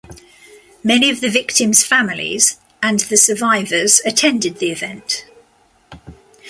Many of the victims' families and the survivors attended the event.